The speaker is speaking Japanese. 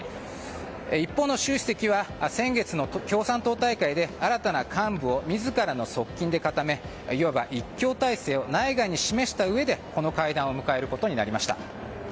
一方の習主席は先月の共産党大会で新たな幹部を自らの側近で固めいわば一強体制を内外に示したうえでこの会談を迎えることになりました。